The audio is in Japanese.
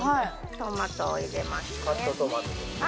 トマトを入れますね。